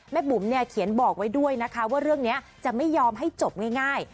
บุ๋มเนี่ยเขียนบอกไว้ด้วยนะคะว่าเรื่องนี้จะไม่ยอมให้จบง่าย